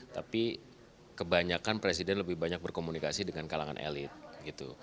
tapi kebanyakan presiden lebih banyak berkomunikasi dengan kalangan elit gitu